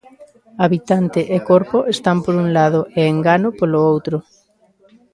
'Habitante' e 'Corpo' están por un lado e 'Engano' polo outro.